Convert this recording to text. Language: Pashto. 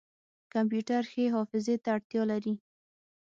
کمپیوټر ښې حافظې ته اړتیا لري.